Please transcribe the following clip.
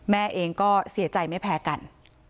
แม่เองก็เสียใจไม่แพ้กัน